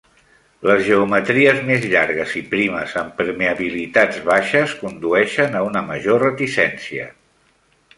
Les geometries més llargues i primes amb permeabilitats baixes condueixen a una major reticència.